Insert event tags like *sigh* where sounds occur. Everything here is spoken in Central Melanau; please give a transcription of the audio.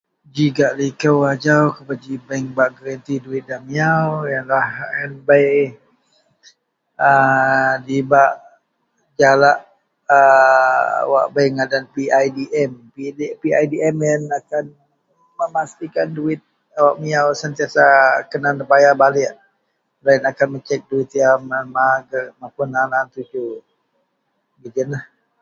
Ji gak likou ajau kubeji bank bak gereti duwit wak miyau yenlah bei a dibak jalak a wak bei ngadan PIDM. PIDM yen akan memastikan duwit wak miyau sentiasa kena nebayar baliek. Deloyen akan mecek duwit yen.. *unintelligible* mapun aan-aan tuju. Gejiyenlah.